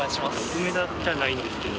梅田じゃないんですけど。